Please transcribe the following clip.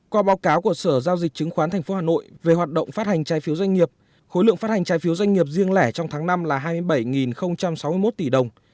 qua báo cáo của sở giao dịch chứng khoán tp hà nội về hoạt động phát hành trái phiếu doanh nghiệp khối lượng phát hành trái phiếu doanh nghiệp riêng lẻ trong tháng năm là hai mươi bảy sáu mươi một tỷ đồng